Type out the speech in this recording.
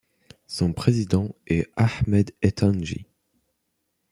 Son président est Ahmed Ettanji.